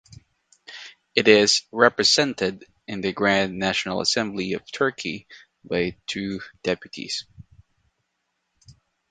It is represented in the Grand National Assembly of Turkey by two deputies.